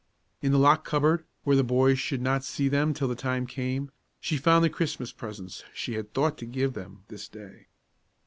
In the locked cupboard, where the boys should not see them till the time came, she found the Christmas presents she had thought to give to them this day.